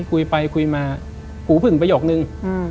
คุยไปคุยมาหูผึ่งประโยคนึง